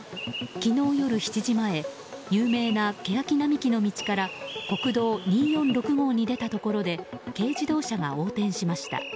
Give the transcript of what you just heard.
昨日夜７時前有名なケヤキ並木の道から国道２４６号に出たところで軽自動車が横転しました。